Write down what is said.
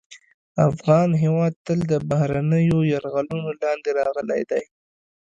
افغان هېواد تل د بهرنیو یرغلونو لاندې راغلی دی